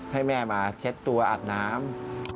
ให้แม่มาเช็ดตัวอาบน้ำ